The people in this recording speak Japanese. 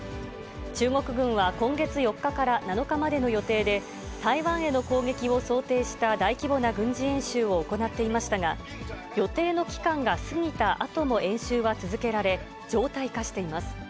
中国軍は今月４日から７日までの予定で、台湾への攻撃を想定した大規模な軍事演習を行っていましたが、予定の期間が過ぎたあとも演習は続けられ、常態化しています。